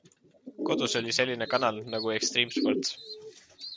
Kodus oli selline kanal nagu Extreme Sports.